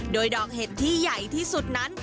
โดยดอกเห็ดที่ใหญ่ที่สุดนั้น